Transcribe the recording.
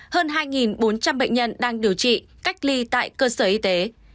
hơn hai bốn trăm linh bệnh nhân đang điều trị cách ly tại cơ sở y tế